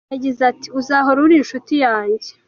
Yagize ati :”uzahora uri inshuti yanjye.